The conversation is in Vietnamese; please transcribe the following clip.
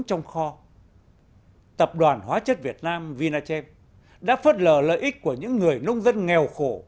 trong kho tập đoàn hóa chất việt nam vinachev đã phớt lờ lợi ích của những người nông dân nghèo khổ